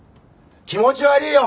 気持ち悪いよ！